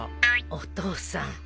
お父さん。